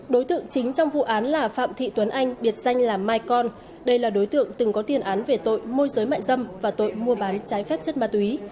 đối tượng chính trong vụ án là phạm thị tuấn anh biệt danh là mai con đây là đối tượng từng có tiền án về tội môi giới mại dâm và tội mua bán trái phép chất ma túy